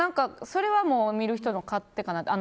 それは見る人の勝手かなと。